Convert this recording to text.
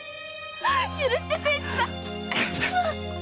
許して清次さん！〕